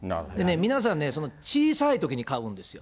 皆さんね、小さいときに飼うんですよ。